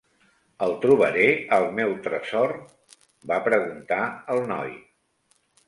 "El trobaré, el meu tresor?", va preguntar el noi.